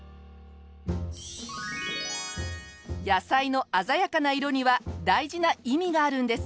野菜の鮮やかな色には大事な意味があるんです。